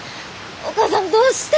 お母さんどうしても。